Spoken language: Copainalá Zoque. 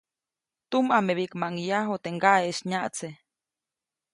Tumʼamebiʼkmaʼuŋ yaju teʼ ŋgaʼeʼis nyaʼtse.